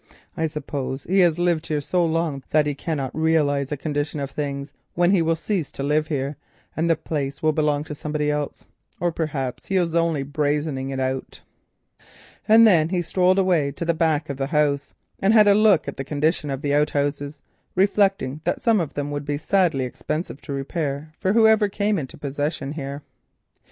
I suppose he has lived here so long that he cannot realise a condition of things under which he will cease to live here and the place will belong to somebody else. Or perhaps he is only brazening it out." And then he strolled away to the back of the house and had a look at the condition of the outhouses, reflecting that some of them would be sadly expensive to repair for whoever came into possession here.